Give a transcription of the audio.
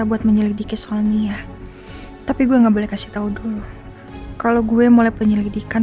buat menyelidiki soal nia tapi gue nggak boleh kasih tahu dulu kalau gue mulai penyelidikan